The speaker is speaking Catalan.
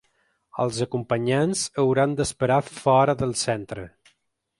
Els acompanyants hauran d’esperar fora del centre.